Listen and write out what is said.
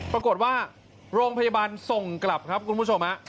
ปรากฏว่าโรงพยาบาลส่งกลับครับคุณผู้ชมฮะ